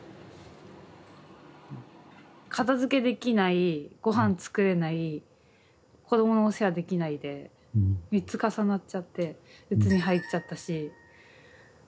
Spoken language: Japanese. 片づけできないごはん作れない子どものお世話できないで３つ重なっちゃってやばくて。